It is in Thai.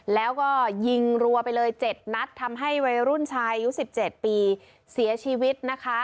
แล้วก็ยิงรัวไปเลยเจ็ดนัดทำให้วัยรุ่นชายยุคสิบเจ็ดปีเสียชีวิตนะคะ